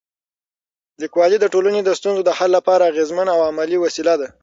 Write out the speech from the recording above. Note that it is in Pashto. لیکوالی د ټولنې د ستونزو د حل لپاره اغېزمن او عملي وسیله ده.